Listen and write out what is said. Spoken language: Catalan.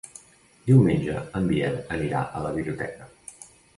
Diumenge en Biel anirà a la biblioteca.